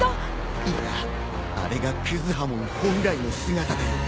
いやあれがクズハモン本来の姿だよ。